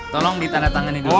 tolong ditandatangani dulu